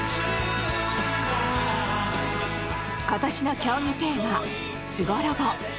今年の競技テーマ「すごロボ」。